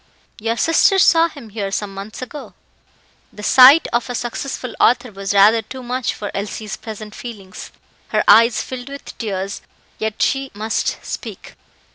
Your sister saw him here some months ago." The sight of a successful author was rather too much for Elsie's present feelings. Her eyes filled with tears, but yet she must speak.